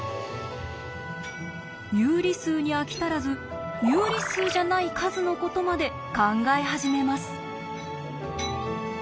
有理数に飽き足らず有理数じゃない数のことまで考え始めます。